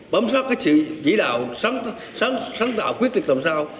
bấm sót cái chỉ đạo sáng tạo quyết định làm sao